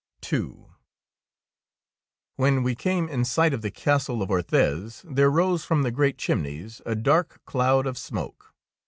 '' II When we came in sight of the castle of Orthez, there rose from the great chimneys a dark cloud of smoke.